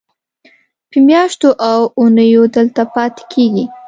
په میاشتو او اوونیو دلته پاتې کېږي.